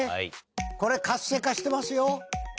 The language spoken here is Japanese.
これ活性化してますよ。